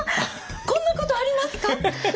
こんなことありますか？